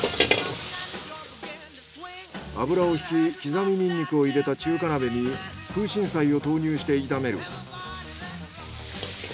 油をひき刻みニンニクを入れた中華鍋に空心菜を投入して炒める。